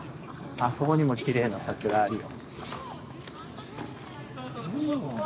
あっそこにもきれいな桜あるよ。